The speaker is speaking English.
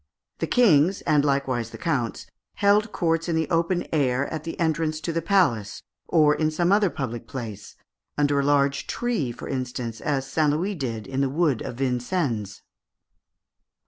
The Kings, and likewise the counts, held courts in the open air at the entrance to the palace (Fig. 302), or in some other public place under a large tree, for instance, as St. Louis did in the wood of Vincennes.